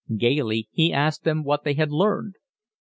Gaily he asked them what they had learned.